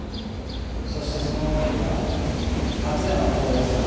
そしてその奥には勝山康平さんが倒れていた。